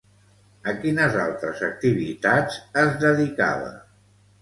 A quines altres activitats es dedicava?